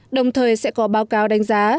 đồng thời sẽ có báo cáo đánh giá